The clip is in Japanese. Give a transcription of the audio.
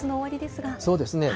そうですね。